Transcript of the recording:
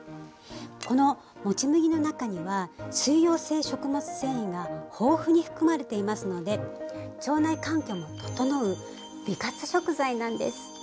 このもち麦の中には水溶性食物繊維が豊富に含まれていますので腸内環境も整う美活食材なんです。